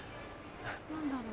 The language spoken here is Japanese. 何だろう？